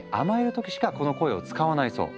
時しかこの声を使わないそう。